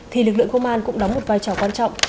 thì lực lượng công an cũng đóng một vai trò quan trọng